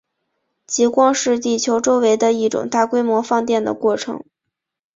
极光是地球周围的一种大规模放电的过程。